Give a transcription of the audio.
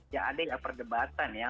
ya ada ya perdebatan ya